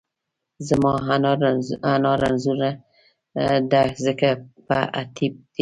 زما انا رنځورۀ دۀ ځکه په اتېب دۀ